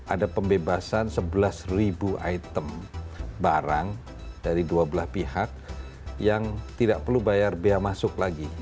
ada pembebasan sebelas ribu item barang dari dua belah pihak yang tidak perlu bayar biaya masuk lagi